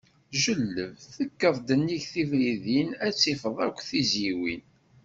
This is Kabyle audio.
Jelleb, tekkeḍ nnig tebridin, ad tifeḍ akk tizyiwin.